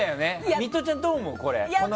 ミトちゃん、どう思う？